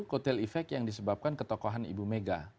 kotel efek yang disebabkan ketokohan ibu mega